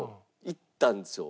行ったんですよ。